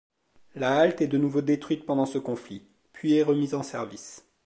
La halte est de nouveau détruite pendant ce conflit, puis est remise en service.